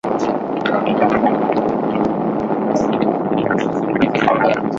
大花雀儿豆为豆科雀儿豆属下的一个种。